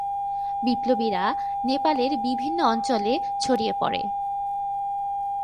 বিপ্লবীরা নেপালের বিভিন্ন অঞ্চলে ছড়িয়ে পড়ে।